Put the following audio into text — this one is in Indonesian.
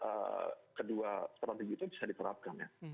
jadi pada kedua strategi itu bisa diperhatikan ya